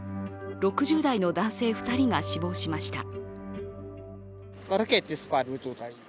６０代の男性２人が死亡しました。